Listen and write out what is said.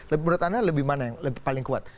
menurut anda lebih mana yang paling kuat